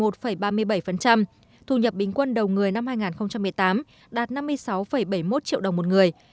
thu nhập bình quân đầu người năm hai nghìn một mươi tám đạt năm mươi sáu bảy mươi một triệu đồng một người